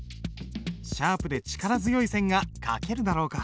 シャープで力強い線が書けるだろうか？